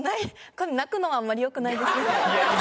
これ泣くのはあんまりよくないですよね。